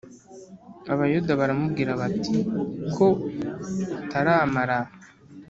Abayuda baramubwira bati ko utaramara